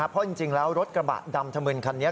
เพราะจริงแล้วรถกระบะดำธมึนคันนี้